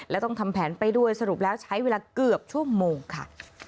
และต้องทำแผนไปด้วยสรุปแล้วใช้เวลาเกือบชั่วโมงค่ะ